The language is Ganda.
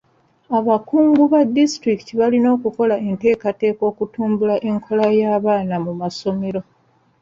Abakungu ba disitulikiti balina okukola enteekateeka okutumbula enkola y'abaana mu masomero.